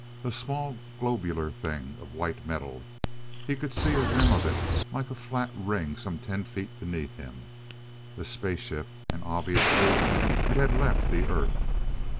A small globular thing of white metal. He could see a rim of it, like a flat ring some ten feet beneath him. A spaceship, and obviously it had left the Earth!